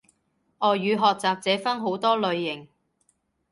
外語學習者分好多類型